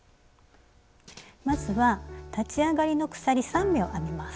まずは立ち上がりの鎖３目を編みます。